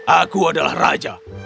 aku adalah raja